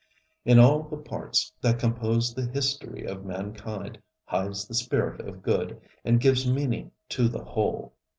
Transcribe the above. In all the parts that compose the history of mankind hides the spirit of good, and gives meaning to the whole.